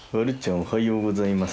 おはようございます。